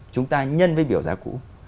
chúng ta nhân với biểu giá cũ